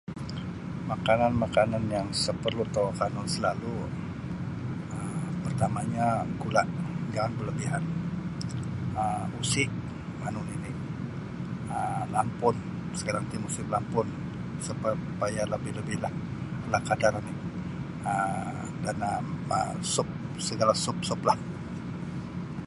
Makanan-makanan yang sa' porlu' tokou akanun salalu' um partama'nyo gula' jangan berlebihan um usi' manu nini' um lampun sakarang ti musim lampun sa payah lebih-lebihlah ala kadar oni' um dan um sup sagala sup-suplah.